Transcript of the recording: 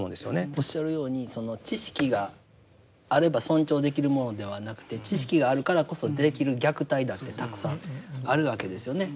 おっしゃるようにその知識があれば尊重できるものではなくて知識があるからこそできる虐待だってたくさんあるわけですよね。